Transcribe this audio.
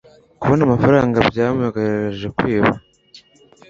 kubona amafaranga byamugerageje kwiba